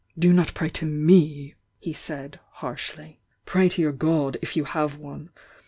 Do not pray to we.'" he said, harshly— "Pray to your God, rf you have one!